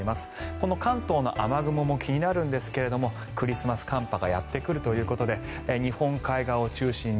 この関東の雨雲も気になるんですがクリスマス寒波がやってくるということで日本海側を中心に。